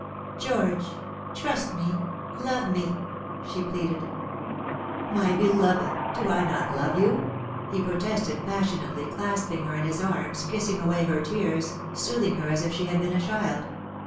" Gtorge, trust me, love me," she pleaded. " My beloved, do I not love you ?" he protested passionately, clasping her in his arms, kissing away her tears, soothing her as if she had been a child.